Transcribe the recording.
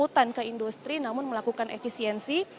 menaikkan pungutan ke industri namun melakukan efisiensi